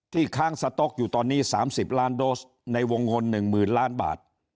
ที่ค้างสต๊อกอยู่ตอนนี้๓๐ล้านโดสในวงศ์หนึ่งหมื่นล้านบาท